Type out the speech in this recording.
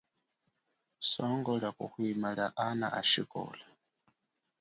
Songo lia kuhwima lia ana ashikola.